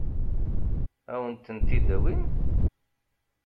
Ad wen-tent-id-awin?